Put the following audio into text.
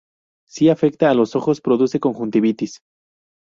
Si afecta a los ojos produce conjuntivitis.